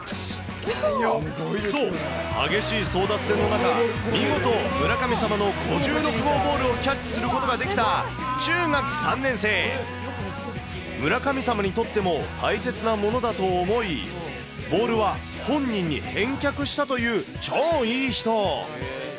そう、激しい争奪戦の中、見事、村神様の５６号ボールをキャッチすることができた、中学３年生、村神様にとっても大切なものだと思い、ボールは本人に返却したという超いい人。